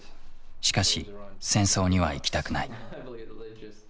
しかし戦争には行きたくない。